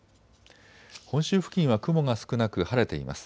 本州付近は雲が少なく晴れています。